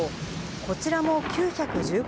こちらも９１５